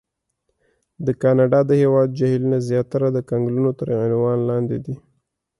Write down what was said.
د کاناډا د هېواد جهیلونه زیاتره د کنګلونو تر عنوان لاندې دي.